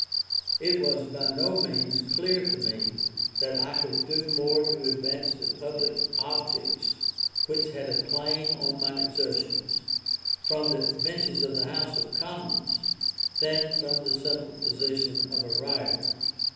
It was by no means clear to me that I could do more to advance the public objects which had a claim on my exertions, from the benches of the House of Commons, than from the simple position of a writer.